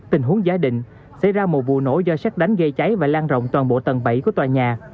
tình huống giả định xảy ra một vụ nổ do xét đánh gây cháy và lan rộng toàn bộ tầng bảy của tòa nhà